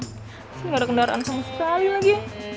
pasti gak ada kendaraan sama sekali lagi